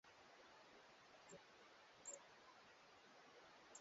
ya pili ya uchaguzi wa urais nchini ivory coast